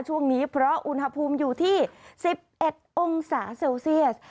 ช่วงนี้เพราะอุณหภูมิอยู่ที่๑๑องศาเซลเซียส